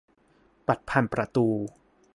บัตรผ่านประตู